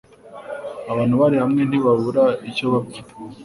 Abantu bari hamwe ntibabura ibyo bapfa